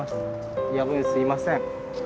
夜分すいません。